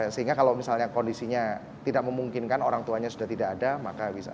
sehingga kalau misalnya kondisinya tidak memungkinkan orang tuanya sudah tidak ada maka bisa